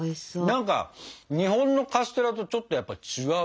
何か日本のカステラとちょっとやっぱ違う。